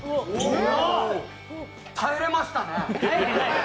耐えれましたね。